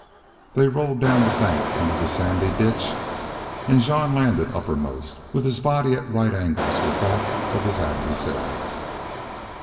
They rolled down the bank into the sandy ditch, and Jean landed uppermost, with his body at right angles with that of his adversary.